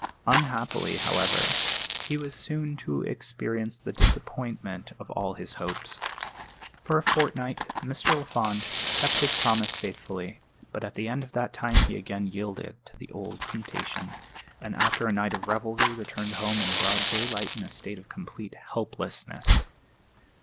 Unhappily, however, he was soon to experience the disappointment of all his hopes. For a fortnight Mr. Lafond kept his promise faithfully; but at the end of that time he again yielded to the old temptation, and after a night of revelry returned home in broad daylight in a state of complete helplessness.